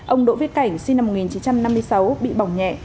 ông đỗ viết cảnh sinh năm một nghìn chín trăm năm mươi sáu bị bỏng nhẹ